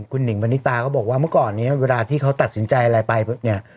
คุณหิงปณิตาก็บอกว่าเมื่อก่อนนี้เวลาที่เขาตัดสินใจอะไรไปเนี่ย